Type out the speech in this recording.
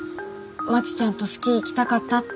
まちちゃんとスキー行きたかったって。